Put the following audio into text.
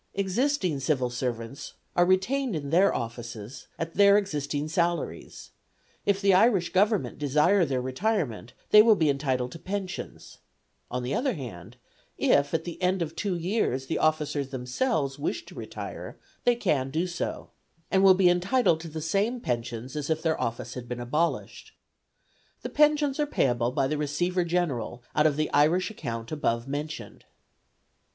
Existing Civil servants are retained in their offices at their existing salaries; if the Irish Government desire their retirement, they will be entitled to pensions; on the other hand, if at the end of two years the officers themselves wish to retire, they can do so, and will be entitled to the same pensions as if their office had been abolished. The pensions are payable by the Receiver General out of the Irish account above mentioned.